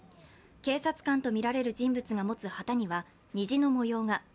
警察官とみられる人物が持つ旗には虹の模様が。